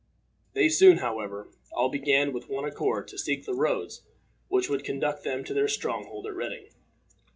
They soon, however, all began with one accord to seek the roads which would conduct them to their stronghold at Reading.